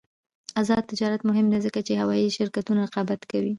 آزاد تجارت مهم دی ځکه چې هوايي شرکتونه رقابت کوي.